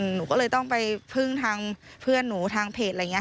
หนูก็เลยต้องไปพึ่งทางเพื่อนหนูทางเพจอะไรอย่างนี้